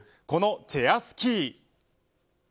このチェアスキー。